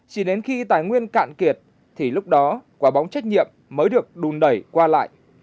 chỉ đến khi tài nguyên cạn kiệt thì lúc đó quả bóng trách nhiệm mới được đùn đẩy qua lại